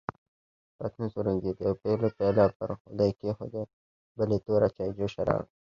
پتنوس ورېږدېد، يوې پېغلې پيالې پر غولي کېښودې، بلې توره چايجوشه راوړه.